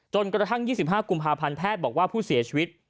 กระทั่ง๒๕กุมภาพันธ์แพทย์บอกว่าผู้เสียชีวิต